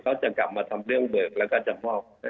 เขาจะกลับมาทำเรื่องเบิกแล้วก็จะมอบ